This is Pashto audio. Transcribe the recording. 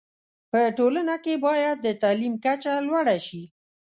په ټولنه کي باید د تعلیم کچه لوړه شی